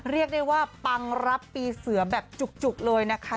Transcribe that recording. เรียกได้ว่าปังรับปีเสือแบบจุกเลยนะคะ